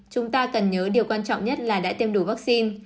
chúng ta cần nhớ điều quan trọng nhất là đã tiêm đủ vaccine